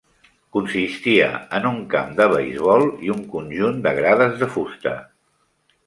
Consistia en un camp de beisbol i un conjunt de grades de fusta.